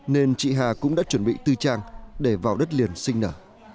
nên chị hà cũng đã chuẩn bị tư trang để vào đất liền sinh nở